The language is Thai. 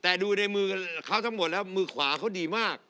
แต่ดูในมือเขาทั้งหมดแล้วมือขวาเขาดีมาก